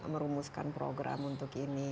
merumuskan program untuk ini